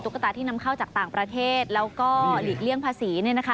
ตาที่นำเข้าจากต่างประเทศแล้วก็หลีกเลี่ยงภาษี